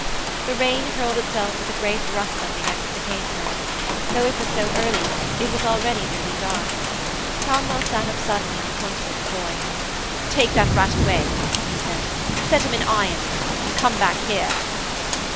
The rain hurled itself with a great rustling against the casement. Though it was so early, it was already nearly dark. Cromwell sat up suddenly and pointed at the boy. 'Take that rat away!' he said. 'Set him in irons, and come back here.'